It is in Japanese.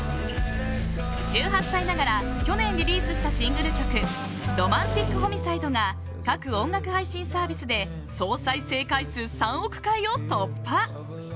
１８歳ながら去年リリースしたシングル曲「ロマンティック・ホミサイド」が各音楽配信サービスで総再生回数３億回を突破。